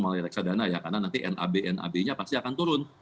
melalui reksadana ya karena nanti nab nab nya pasti akan turun